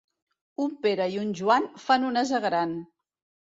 Un Pere i un Joan fan un ase gran.